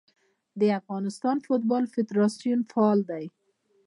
د افغانستان فوټبال فدراسیون فعال دی.